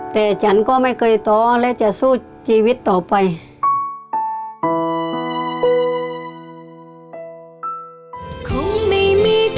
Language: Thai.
แต่ฉันก็ไม่เคยท้อและจะสู้ชีวิตต่อไป